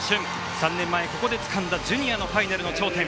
３年前ここでつかんだジュニアのファイナルの頂点。